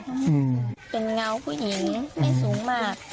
เป็นเงาผู้หญิงนี่ไม่สูงมาก